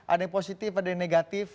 ada yang positif ada yang negatif